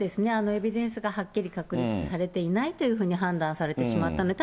エビデンスがはっきり確立されていないというふうに判断されてしまったので。